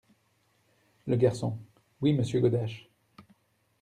Le Garçon. — Oui, Monsieur Godache.